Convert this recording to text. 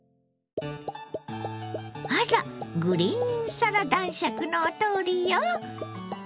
あらグリーンサラ男爵のお通りよ。